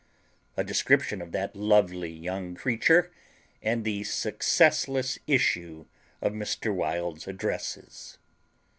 A DESCRIPTION OF THAT LOVELY YOUNG CREATURE, AND THE SUCCESSLESS ISSUE OF MR. WILD'S ADDRESSES.